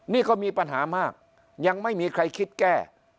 นี่ก็มีปัญหามากยังไม่มีใครคิดแก้